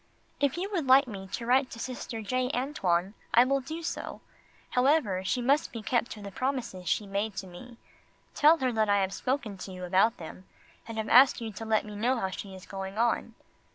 If you would like me to write to Sister J. Antoine I will do so. However, she must be kept to the promises she made to me tell her that I have spoken to you about them and have asked you to let me know how she is going on.